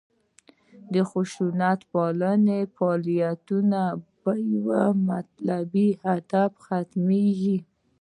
خشونتپاله فعالیتونه په یوه طالبي هدف ختمېږي.